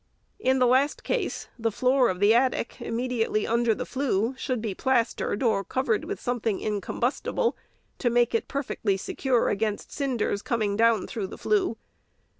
In the last case, the floor of the attic, immediately under the flue, should be plastered, or covered with something incombustible, to make it per fectly secure against cinders coming down through the flue.